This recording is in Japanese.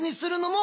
も